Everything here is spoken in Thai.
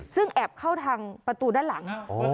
ซึ่งแอบเข้าทางประตูด้านหลัง